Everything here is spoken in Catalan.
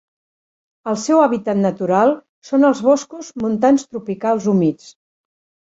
El seu hàbitat natural són els boscos montans tropicals humits.